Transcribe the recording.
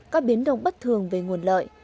có biến động bất thường về nguồn lợi